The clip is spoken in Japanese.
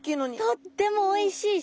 とってもおいしいし。